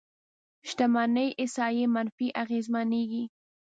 شتمنۍ احصایې منفي اغېزمنېږي.